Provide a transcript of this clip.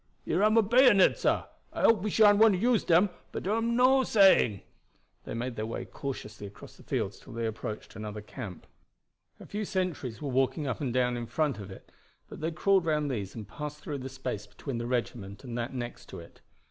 "Here am a bayonet, sah. I hope we sha'n't want to use dem, but dar am no saying." They made their way cautiously across the fields till they approached another camp. A few sentries were walking up and down in front of it, but they crawled round these and passed through the space between the regiment and that next to it.